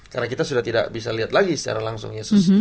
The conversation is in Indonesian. karena kita sudah tidak bisa lihat lagi secara langsung yesus